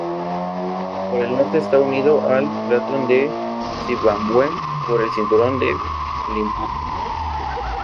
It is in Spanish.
Por el norte está unido al cratón de Zimbabue por el cinturón del Limpopo.